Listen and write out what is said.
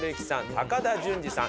高田純次さん